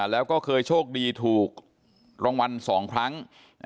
แล้วก็เคยโชคดีถูกรางวัล๒ครั้ง